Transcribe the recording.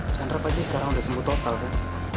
chandra pasti sekarang sudah sembuh total kan